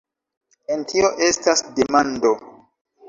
En tio estas demando!